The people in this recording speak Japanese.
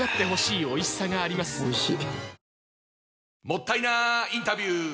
もったいなインタビュー！